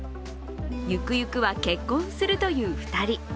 ゆくゆくは結婚するという２人。